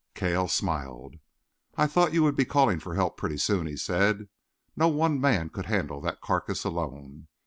Cale smiled. "I thought you would be calling for help pretty soon," he said. "No one man could handle that carcass alone.